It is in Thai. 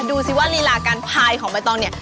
ดูซิว่าฤหาริหลาการพายของใบตองเนี้ย